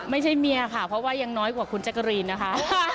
ไม่ใช่เมียค่ะเพราะว่ายังน้อยกว่าคุณแจ๊กกะรีนนะคะ